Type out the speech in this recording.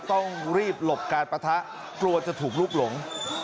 ต้องรีบหลบการปะทะกลัวจะถูกลุกหลง